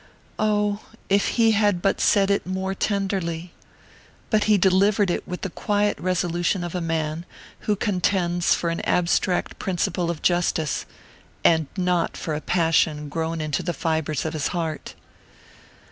Oh, if he had but said it more tenderly! But he delivered it with the quiet resolution of a man who contends for an abstract principle of justice, and not for a passion grown into the fibres of his heart!